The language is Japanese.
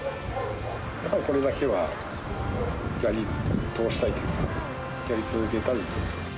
やはりこれだけはやり通したいというか、やり続けたい。